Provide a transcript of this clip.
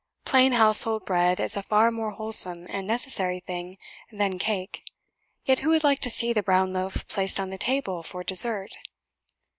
Plain household bread is a far more wholesome and necessary thing than cake; yet who would like to see the brown loaf placed on the table for dessert?